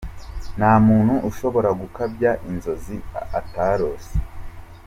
Nta muntu ushobora gukabya inzozi atarose.